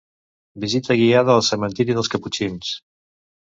Visita guiada al cementiri dels Caputxins.